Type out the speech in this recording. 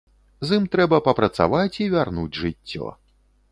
З ім трэба папрацаваць і вярнуць жыццё.